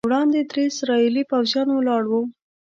وړاندې درې اسرائیلي پوځیان ولاړ وو.